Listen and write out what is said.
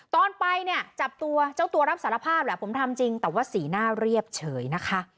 ตอนไปเนี่ยจับตัวเจ้าตัวรับสารภาพแหละผมทำจริงแต่ว่าสีหน้าเรียบเฉยนะคะ